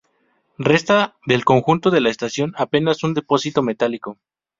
Resta del conjunto de la estación apenas un depósito metálico.